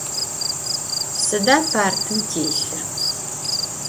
Sıda partım têlhır?